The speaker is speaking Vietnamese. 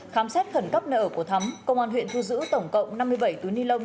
khám xét khẩn cấp nợ của thắm công an huyện thu giữ tổng cộng năm mươi bảy túi ni lông